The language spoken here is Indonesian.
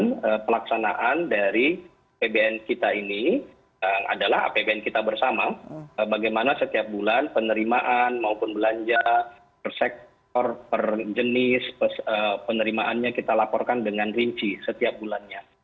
dan pelaksanaan dari apbn kita ini adalah apbn kita bersama bagaimana setiap bulan penerimaan maupun belanja per sektor per jenis penerimaannya kita laporkan dengan rinci setiap bulannya